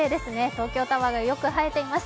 東京タワーがよく映えています。